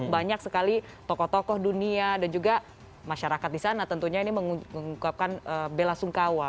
banyak sekali tokoh tokoh dunia dan juga masyarakat di sana tentunya mengungkapkan bella sungkawa